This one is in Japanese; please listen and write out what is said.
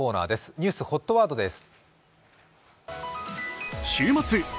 「ニュースホットワード」です。